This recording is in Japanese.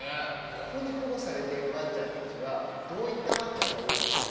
ここに保護されているわんちゃんたちは、どういったわんちゃんが多いんですか？